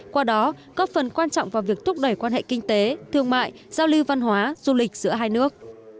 qua đó góp phần quan trọng vào việc thúc đẩy quan hệ kinh tế thương mại giao lưu văn hóa du lịch giữa hai nước